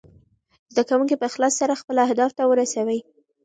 زده کونکي په اخلاص سره خپل اهداف ته ورسوي.